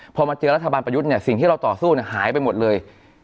พอมาเจอรัฐบาลประยุทธ์เนี่ยสิ่งที่เราต่อสู้หายไปหมดเลย